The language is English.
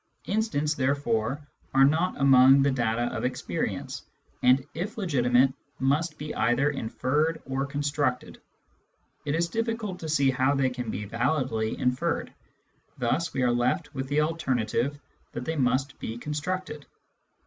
Instants, there fore, are not among the data of experience, and, if legitimate, must be either inferred or constructed. It is difficult to see how they can be validly inferred ; thus we are left with the alternative that they must be constructed.